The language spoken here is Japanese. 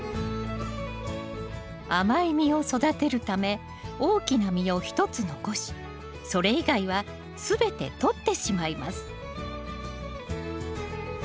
甘い実を育てるため大きな実を１つ残しそれ以外はすべてとってしまいます